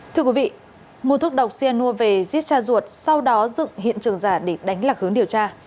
thưa quý vị một thuốc độc xe nua về giết cha ruột sau đó dựng hiện trường giả để đánh lạc hướng điều tra